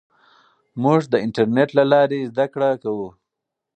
موږ د انټرنېټ له لارې زده کړه کوو.